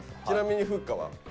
ちなみにフッカは？